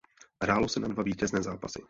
Hrálo se na dva vítězné zápasy.